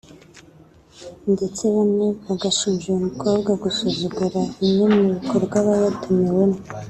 ndetse bamwe bagashinja uyu mukobwa gusuzugura bimwe mu bikorwa aba yatumiwemo